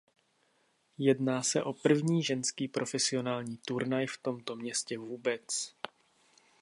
Jedná se o první ženský profesionální turnaj v tomto městě vůbec.